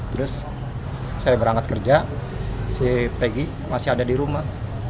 terus saya berangkat kerja si pegi masih ada di rumah